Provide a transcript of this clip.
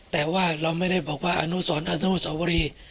แต่ว่าเราไม่ได้บอกว่าอนุสรอนุสวรี